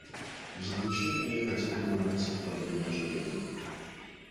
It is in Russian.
В заключение я хотел бы вернуться к проблеме ожирения.